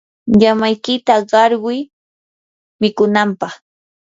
llamaykita qarquy mikunanpaq.